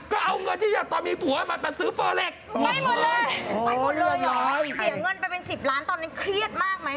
ก็เอาเงินที่อยากต้องมีผัวมาตัดซื้อเฟอร์เร็กซ์